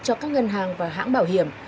cho các ngân hàng và hãng bảo hiểm